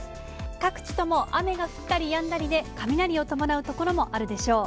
各地とも雨が降ったりやんだりで、雷を伴う所もあるでしょう。